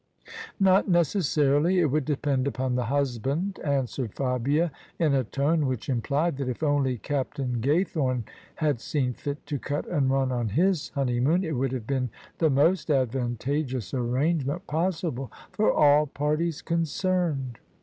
"Not necessarily: it would depend upon the husband," answered Fabia, in a tone which implied that if only Cap tain Gaythorne had seen fit to cut and run on his honey moon it would have been the most advantageous arrange ment possible for all parties concerned.